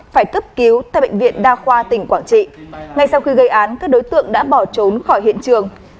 phải cấp cứu tại bệnh viện đa khoa tỉnh quảng trị ngay sau khi gây án các đối tượng đã bỏ trốn khỏi hiện trường